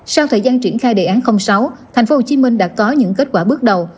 sau thời gian triển khai đề án sáu tp hcm đã có những kết quả bước đầu